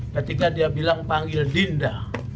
ketika dia bilang panggil dinda